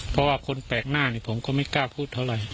เพราะว่าคนแปลกหน้าผมก็ไม่กล้าพูดเท่าไหร่